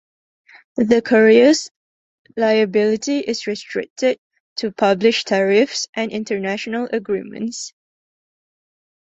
The carriers' liability is restricted to published tariffs and international agreements.